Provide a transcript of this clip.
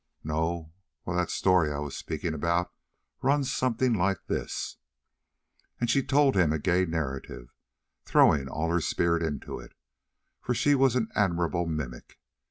"No? Well, that story I was speaking about runs something like this " And she told him a gay narrative, throwing all her spirit into it, for she was an admirable mimic.